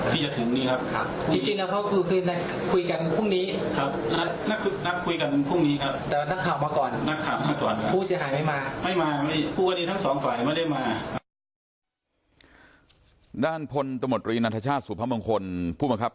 เพราะว่าผมออกหมายเรียกวันที่๑๙น่าจะมาคุยกัน